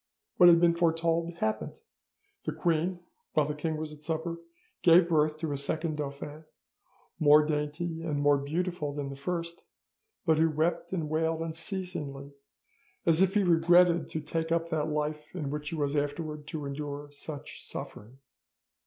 "'What had been foretold happened: the queen, while the king was at supper, gave birth to a second dauphin, more dainty and more beautiful than the first, but who wept and wailed unceasingly, as if he regretted to take up that life in which he was afterwards to endure such suffering.